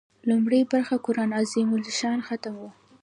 لومړۍ برخه قران عظیم الشان ختم و.